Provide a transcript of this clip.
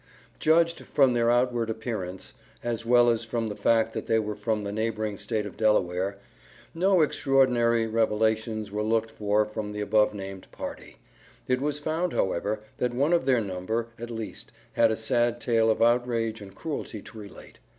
Judged from their outward appearance, as well as from the fact that they were from the neighboring State of Delaware, no extraordinary revelations were looked for from the above named party. It was found, however, that one of their number, at least, had a sad tale of outrage and cruelty to relate.